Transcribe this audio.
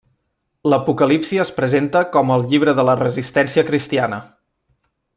L'Apocalipsi es presenta com el llibre de la resistència cristiana.